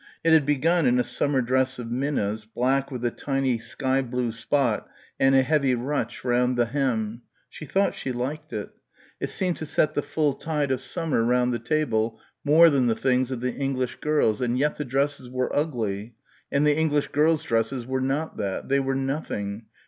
It had begun in a summer dress of Minna's, black with a tiny sky blue spot and a heavy ruche round the hem. She thought she liked it. It seemed to set the full tide of summer round the table more than the things of the English girls and yet the dresses were ugly and the English girls' dresses were not that ... they were nothing